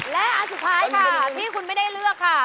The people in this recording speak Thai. และอันสุดท้ายค่ะที่คุณไม่ได้เลือกค่ะ